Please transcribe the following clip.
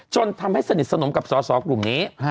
จนทำให้สนิทสนมกับสสกลุ่มนี้